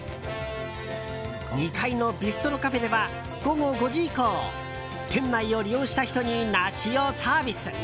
２階のビストロカフェでは午後５時以降店内を利用した人に梨をサービス！